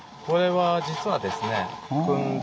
これは実はですね